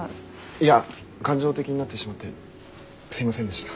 いや感情的になってしまってすいませんでした。